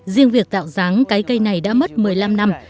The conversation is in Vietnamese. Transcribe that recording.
riêng việc tạo ráng cái cây này đã mất một mươi năm năm